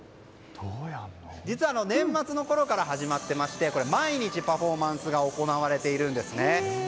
実は年末のころから始まっていまして毎日パフォーマンスが行われているんです。